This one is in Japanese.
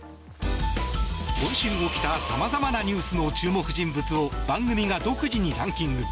今週起きた様々なニュースの注目人物を番組が独自にランキング。